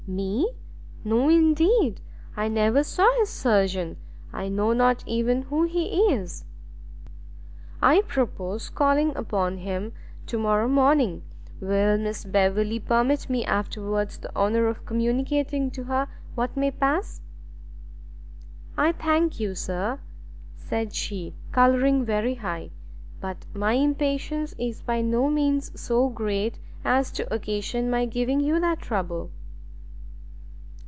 "Me? No, indeed? I never saw his surgeon; I know not even who he is." "I purpose calling upon him to morrow morning; will Miss Beverley permit me afterwards the honour of communicating to her what may pass?" "I thank you, sir," said she, colouring very high; "but my impatience is by no means so great as to occasion my giving you that trouble."